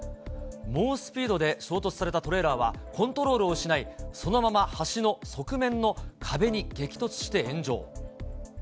猛スピードで衝突された衝突されたトレーラーは、コントロールを失い、そのまま橋の側面の壁に激突して炎上。